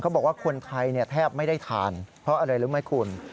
บอกว่าคนไทยแทบไม่ได้ทานเพราะอะไรรู้ไหมคุณ